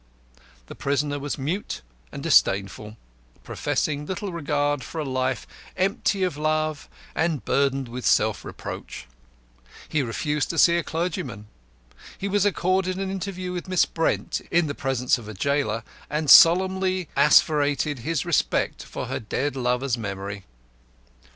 The prisoner was mute and disdainful, professing little regard for a life empty of love and burdened with self reproach. He refused to see clergymen. He was accorded an interview with Miss Brent in the presence of a gaoler, and solemnly asseverated his respect for her dead lover's memory.